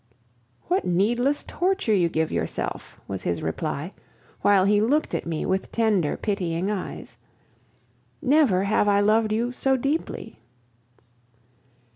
"What needless torture you give yourself!" was his reply, while he looked at me with tender, pitying eyes. "Never have I loved you so deeply."